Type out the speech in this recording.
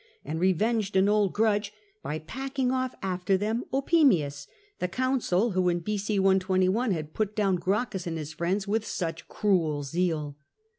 and reTenged an old grudge by packing off after them Opimius, the consul who in B.O. 121 had put down Gracchus and his friends with such cruel zeal.